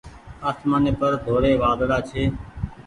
آسمآني پر ڍوڙي وآۮڙآ ڇي۔